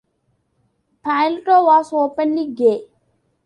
Polito was openly gay.